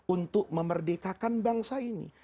untuk memerdekakan bangsa ini